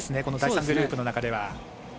この第３グループの中では。